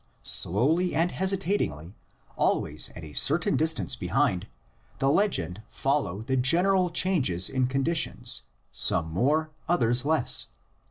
Slowly and hesitat ingly, always at a certain distance behind, the legends follow the general changes in conditions, some more, others less.